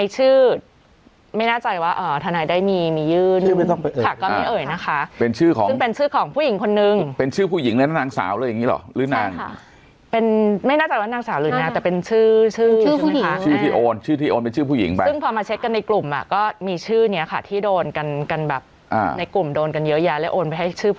ชื่อไม่น่าใจว่าอ่อทนายได้มีมียื่นค่ะก็ไม่เอ่ยนะคะเป็นชื่อของเป็นชื่อของผู้หญิงคนนึงเป็นชื่อผู้หญิงและนางสาวเลยอย่างงี้หรอหรือนางค่ะเป็นไม่น่าใจว่านางสาวหรือนางแต่เป็นชื่อชื่อชื่อผู้หญิงชื่อที่โอนชื่อที่โอนเป็นชื่อผู้หญิงไปซึ่งพอมาเช็คกันในกลุ่มอ่ะก็มีชื่อนี้ค่ะที่โดนกันกันแบบอ่